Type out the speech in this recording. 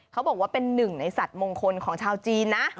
เขาบอกว่าเป็นหนึ่งในสัตว์มงคลของชาวจีนนะ